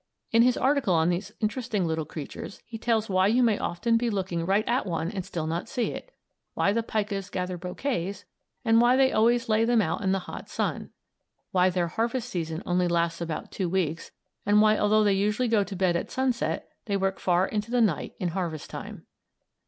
In his article on these interesting little creatures, he tells why you may often be looking right at one and still not see it; why the pikas gather bouquets and why they always lay them out in the hot sun; why their harvest season only lasts about two weeks, and why, although they usually go to bed at sunset, they work far into the night in harvest time.